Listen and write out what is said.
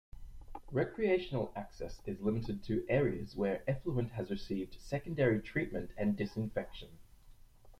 Recreational access is limited to areas where effluent has received secondary treatment and disinfection.